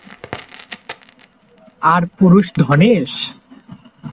আর পুরুষ ধনেশ?